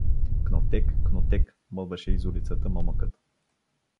— Кнотек? Кнотек? — мълвеше из улицата момъкът.